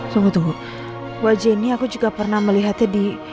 tunggu tunggu wajah ini aku juga pernah melihatnya di